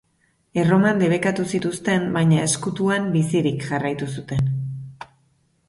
Erroman debekatu zituzten baina ezkutuan bizirik jarraitu zuten.